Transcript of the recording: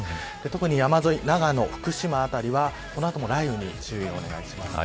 特に山沿い、長野、福島はこの後雷雨に注意をお願いします。